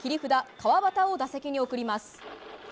川端を打席に送ります。